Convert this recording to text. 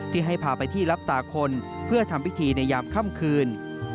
ที่ให้พาไปที่รับตาคนเพื่อทำพิธีในยามค่ำคืน